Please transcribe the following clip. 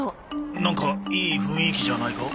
なんかいい雰囲気じゃないか？